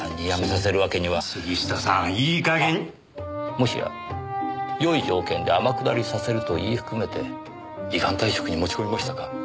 もしやよい条件で天下りさせると言い含めて依願退職に持ち込みましたか。